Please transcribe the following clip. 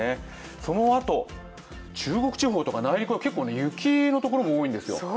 そのあと、中国地方とか内陸は雪のところも多いんですよ。